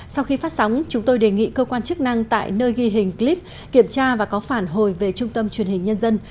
sau khi phát sóng chúng tôi đề nghị cơ quan chức năng tại nơi ghi hình clip kiểm tra và có phản hồi về trung tâm truyền hình nhân dân